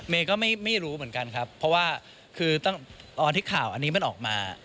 ก็ไม่รู้เหมือนกันครับเพราะว่าคือตอนที่ข่าวอันนี้มันออกมา